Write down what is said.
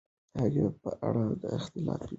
د هغې په اړه اختلاف پیدا سوی دی.